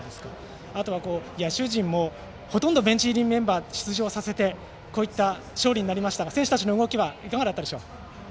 あとは野手陣もほとんどベンチ入りメンバーを出場させてのこういった勝利になりましたが選手たちの動きはいかがだったでしょう。